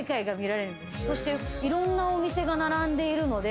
そしていろんなお店が並んでいるので。